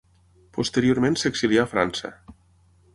Posteriorment s'exilià a França.